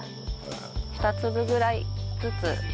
２粒ぐらいずつ。